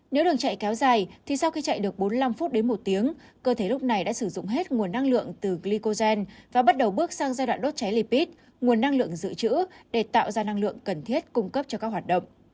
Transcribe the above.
nếu đường chạy kéo dài thì sau khi chạy được bốn mươi năm phút đến một tiếng cơ thể lúc này đã sử dụng hết nguồn năng lượng từ glycogen và bắt đầu bước sang giai đoạn đốt cháy lipid nguồn năng lượng dự trữ để tạo ra năng lượng cần thiết cung cấp cho các hoạt động